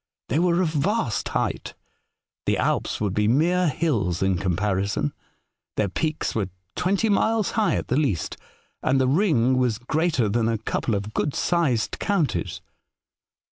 They were of vast height; the Alps would be mere hills in comparison. Their 56 A Voyage to Other Worlds. peaks were twenty miles high at the least, and the ring was greater than a couple of good sized counties.